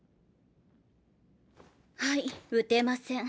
はい撃てません。